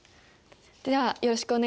ではよろしくお願いします。